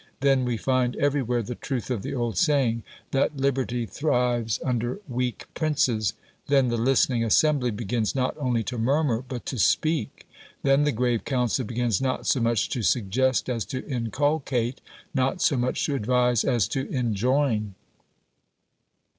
Then we find everywhere the truth of the old saying, that liberty thrives under weak princes; then the listening assembly begins not only to murmur, but to speak; then the grave council begins not so much to suggest as to inculcate, not so much to advise as to enjoin.